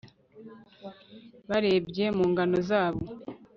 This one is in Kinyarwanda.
barebye mu ngano zabo